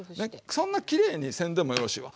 そんなきれいにせんでもよろしいわ。